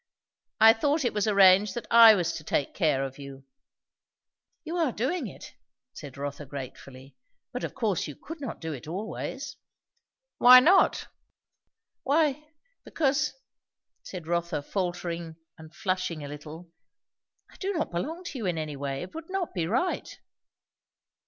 "I thought it was arranged that I was to take care of you." "You are doing it," said Rotha gratefully. "But of course you could not do it always." "Why not?" "Why because " said Rotha faltering and flushing a little, "I do not belong to you in any way. It would not be right."